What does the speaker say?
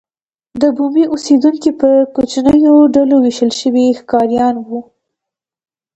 دا بومي اوسېدونکي پر کوچنیو ډلو وېشل شوي ښکاریان وو.